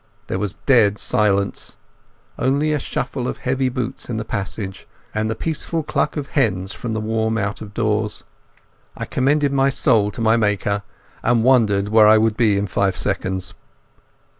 There was dead silence—only a shuffle of heavy boots in the passage, and the peaceful cluck of hens from the warm out of doors. I commended my soul to my Maker, and wondered where I would be in five seconds....